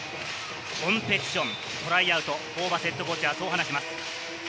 コンペティション、トライアウト、ホーバスＨＣは、そう話します。